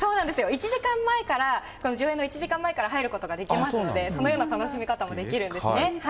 １時間前から、上映の１時間前から入ることができますので、そのような楽しみ方もできるんですね。